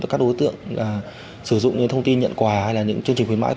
các đối tượng sử dụng những thông tin nhận quà hay là những chương trình khuyến mãi